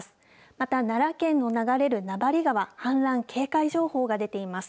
また奈良県を流れる名張川氾濫警戒情報が出ています。